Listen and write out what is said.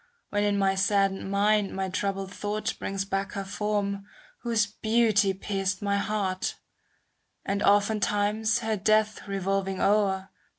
When in my saddened mind my troubled thought Brings back her form, whose beauty pierced my heart; ^ And oftentimes, her death revolving o'er.